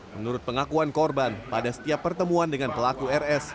menurut pengakuan korban pada setiap pertemuan dengan pelaku rs